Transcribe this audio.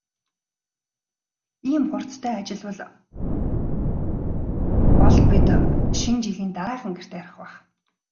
Ийм хурдтай ажиллавал бол бид Шинэ жилийн дараахан гэртээ харих байх.